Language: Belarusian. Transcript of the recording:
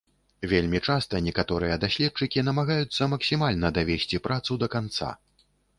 Вельмі часта некаторыя даследчыкі намагаюцца максімальна давесці працу да канца.